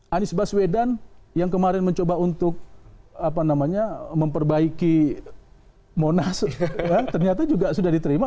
anies baswedan yang kemarin mencoba untuk memperbaiki monas ternyata juga sudah diterima